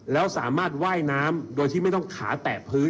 แล้วสามารถว่ายน้ำโดยที่ไม่ต้องขาแตะพื้น